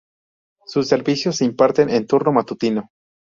Sus servicios se imparten en turno matutino.